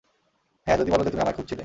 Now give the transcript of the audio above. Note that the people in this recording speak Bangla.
হ্যাঁ, যদি বলো যে তুমি আমায় খুঁজছিলে।